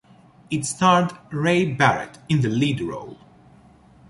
It starred Ray Barrett in the lead role.